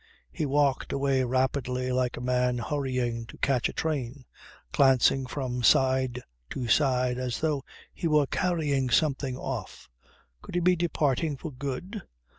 He walked away rapidly like a man hurrying to catch a train, glancing from side to side as though he were carrying something off. Could he be departing for good?